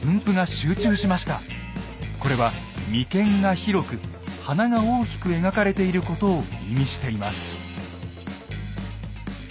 これは眉間が広く鼻が大きく描かれていることを意味しています。